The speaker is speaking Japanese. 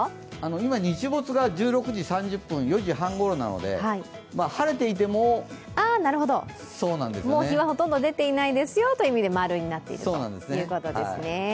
今、日没が１６時３０分４時半ごろなので、晴れていても日はほとんど出ていないですよという意味で○になっているということですね。